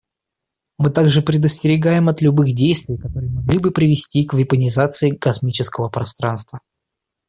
Мы также предостерегаем от любых действий, которые могли бы привести к вепонизации космического пространства.